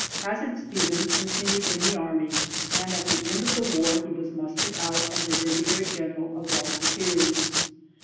Hazard Stevens continued in the army, and at the end of the war he was mustered out as a brigadier general of volunteers.